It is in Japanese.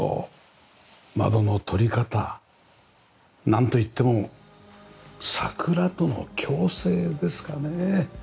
なんといっても桜との共生ですかね。